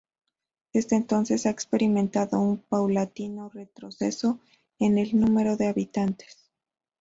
Desde entonces ha experimentado un paulatino retroceso en el número de habitantes.